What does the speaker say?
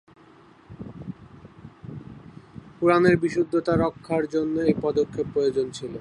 কুরআনের বিশুদ্ধতা রক্ষার জন্য এই পদক্ষেপ প্রয়োজন ছিল।